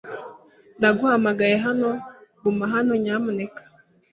Naguhamagaye hano, guma hano nyamuneka